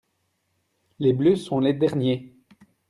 les bleus sont les derniers.